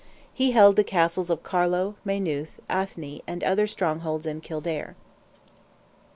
He held the castles of Carlow, Maynooth, Athy, and other strongholds in Kildare.